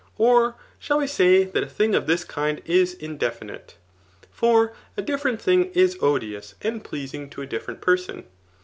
Or shall we say that a thing of this kind is indefinite ? For a different thing is odious and pleasing to a different person.